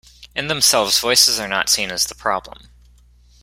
In themselves voices are not seen as the problem.